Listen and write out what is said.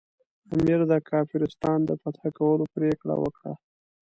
امیر د کافرستان د فتح کولو پرېکړه وکړه.